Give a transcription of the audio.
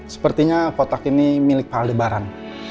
sepertinya kotak ini milik pak adebaran